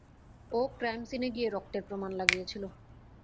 ও crime সিনে গিয়ে রক্তের প্রমাণ লাগিয়েছিল।